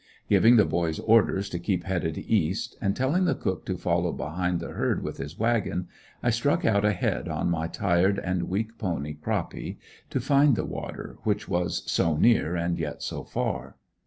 Giving the boys orders to keep headed east, and telling the cook to follow behind the herd with his wagon, I struck out ahead on my tired and weak pony, Croppy, to find the water, which was "so near, and yet so far."